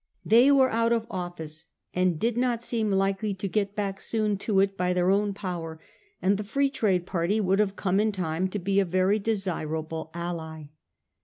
They were out of office, and did not seem likely to get back soon to it by their own power, and the Free Trade party would have come in time to be a very desirable ally.